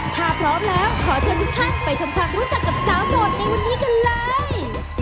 ถ้าพร้อมแล้วขอเชิญทุกท่านไปทำความรู้จักกับสาวโสดในวันนี้กันเลย